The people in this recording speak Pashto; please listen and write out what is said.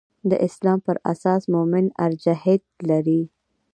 د اسلام پر اساس مومن ارجحیت لري.